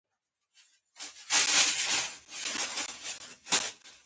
ډله تورې جامې لرلې.